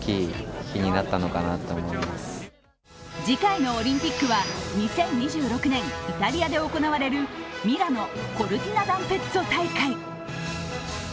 次回のオリンピックは２０２６年、イタリアで行われるミラノ・コルティナダンペッツォ大会。